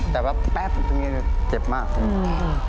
แต่แป๊บตรงนี้เจ็บมาก